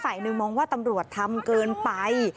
หนึ่งมองว่าตำรวจทำเกินไป